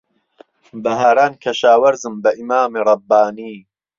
بههاران کهشاوهرزم به ئیمامێ رهببانی